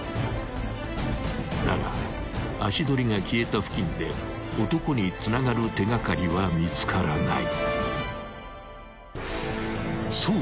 ［だが足取りが消えた付近で男につながる手掛かりは見つからない］